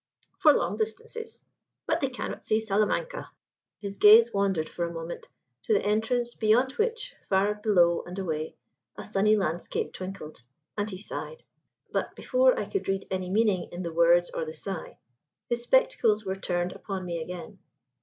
"For long distances. But they cannot see Salamanca." His gaze wandered for a moment to the entrance beyond which, far below and away, a sunny landscape twinkled, and he sighed. But before I could read any meaning in the words or the sigh, his spectacles were turned upon me again.